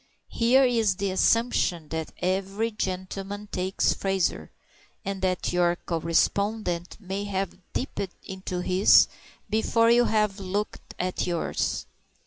Here is the assumption that every gentleman takes Fraser, and that your correspondent may have dipped into his before you have looked at yours.